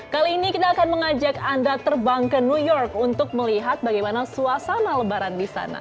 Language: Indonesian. kali ini kita akan mengajak anda terbang ke new york untuk melihat bagaimana suasana lebaran di sana